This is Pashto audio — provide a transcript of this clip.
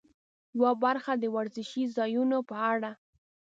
یوه برخه د ورزشي ځایونو په اړه.